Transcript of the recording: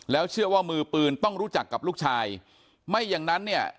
เชื่อว่ามือปืนต้องรู้จักกับลูกชายไม่อย่างนั้นเนี่ย